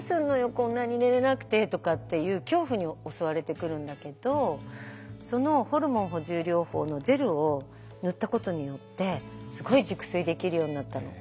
こんなに寝れなくて」とかっていう恐怖に襲われてくるんだけどそのホルモン補充療法のジェルを塗ったことによってすごい熟睡できるようになったの。